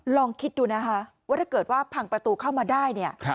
ลองคิดดูนะคะว่าถ้าเกิดว่าพังประตูเข้ามาได้เนี่ย